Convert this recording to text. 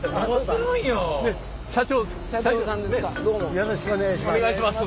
よろしくお願いします。